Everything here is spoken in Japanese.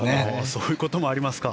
そういうこともありますか。